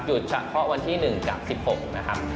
เฉพาะวันที่๑กับ๑๖นะครับ